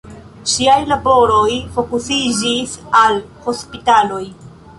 Ŝiaj laboroj fokusiĝis al hospitaloj.